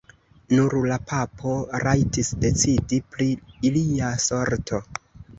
Nur la papo rajtis decidi pri ilia sorto.